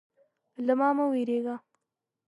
_له ما مه وېرېږه.